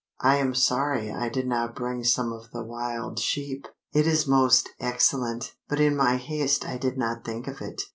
I am sorry I did not bring some of the wild sheep. It is most excellent; but in my haste I did not think of it.